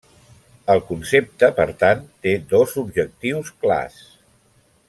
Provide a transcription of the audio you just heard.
El concepte, per tant, té dos objectius clars.